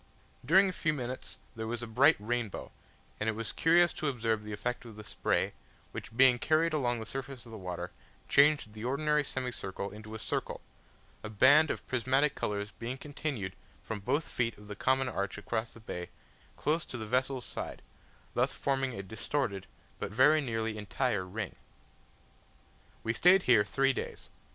During a few minutes there was a bright rainbow, and it was curious to observe the effect of the spray, which being carried along the surface of the water, changed the ordinary semicircle into a circle a band of prismatic colours being continued, from both feet of the common arch across the bay, close to the vessel's side: thus forming a distorted, but very nearly entire ring. We stayed here three days.